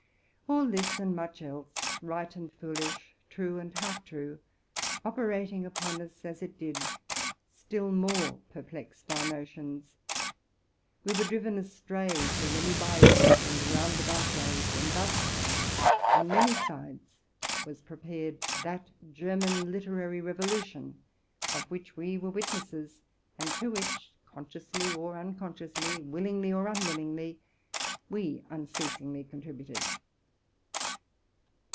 All this and much else, right and foolish, true and half true, operating upon us as it did, still more perplexed our notions : we were driven astray through many by ways and roundabout ways; and thus on many sides was prepared that German literary revolution, of which we were witnesses, and to which, consciously or unconsciously, willingly or unwill ingly, we unceasingly contributed.